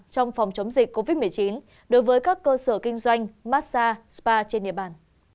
trong phòng chống dịch covid một mươi chín đối với các cơ sở kinh doanh massage spa trên địa bàn